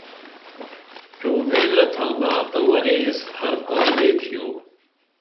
چُوع ویلہ تھانہ تہ ورے ایس ہر کا لے تھیو